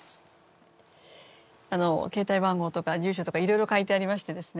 携帯番号とか住所とかいろいろ書いてありましてですね